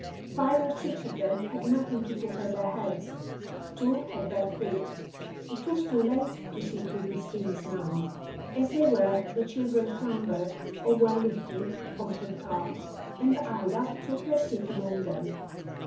Five or six of them had nothing to put on their heads; two had bare feet. It was too late to see to these things now; as they were, the children clambered, or were lifted, on to the cart, and Ida took her seat among them.